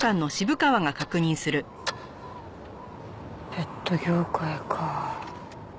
ペット業界か。